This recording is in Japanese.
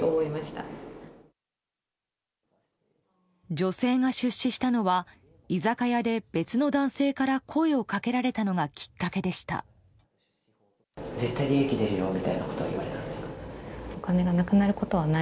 女性が出資したのは居酒屋で別の男性から声をかけられたのがきっかけでした。